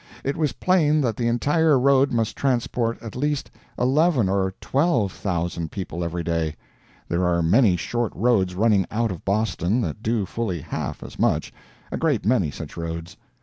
It was plain that the entire road must transport at least eleven or twelve thousand people every day. There are many short roads running out of Boston that do fully half as much; a great many such roads.